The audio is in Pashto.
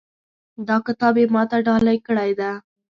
دا کتاب یې ما ته ډالۍ کړی ده